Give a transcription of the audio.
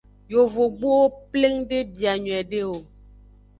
Yovogbulowo pleng de bia nyuiede o.